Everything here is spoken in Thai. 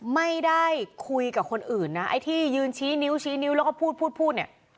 ไม่ได้คุยกับคนอื่นนะไอ้ที่ยืนชี้นิ้วชี้นิ้วแล้วก็พูดพูดเนี่ย